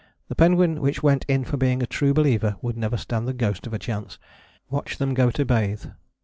The penguin which went in for being a true believer would never stand the ghost of a chance. Watch them go to bathe.